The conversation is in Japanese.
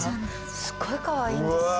すっごいかわいいんですよ。